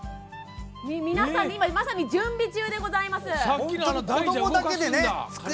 皆さんまさに準備中でございます。